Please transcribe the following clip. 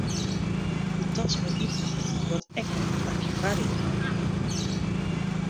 De tas mei iten moat ek mar in plakje foaryn ha.